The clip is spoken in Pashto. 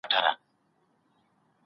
طبري یو ستر اسلامي عالم و.